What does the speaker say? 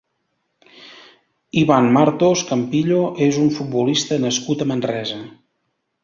Iván Martos Campillo és un futbolista nascut a Manresa.